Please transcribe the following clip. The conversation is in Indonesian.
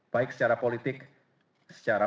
baik secara politik secara